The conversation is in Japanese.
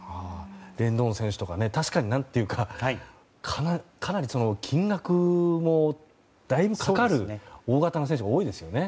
レンドン選手とか確かにかなり金額もだいぶかかる大型の選手が多いですよね。